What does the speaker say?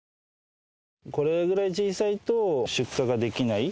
これぐらい小さいと出荷ができない。